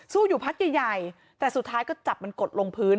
อยู่พักใหญ่ใหญ่แต่สุดท้ายก็จับมันกดลงพื้น